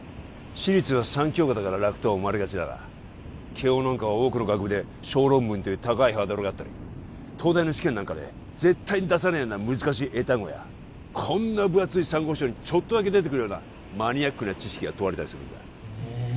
私立は３教科だから楽と思われがちだが慶応なんかは多くの学部で小論文という高いハードルがあったり東大の試験なんかで絶対に出さないような難しい英単語やこんな分厚い参考書にちょっとだけ出てくるようなマニアックな知識が問われたりするんだえ